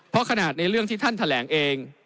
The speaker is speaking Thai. เพราะขนาดในเรื่องที่ท่านแถลงเอง